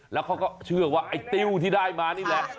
แล้วเขาก็เชื่อว่าไอ้ติ้วที่ได้มานี่แหละ